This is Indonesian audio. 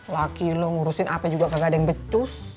laki lu ngurusin apa juga kagak ada yang becus